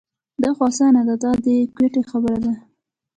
دا خو اسانه ده دا د ګویته خبره ده.